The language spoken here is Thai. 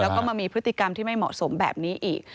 แล้วก็มามีพฤติกรรมที่ไม่เหมาะสมแบบนี้อีก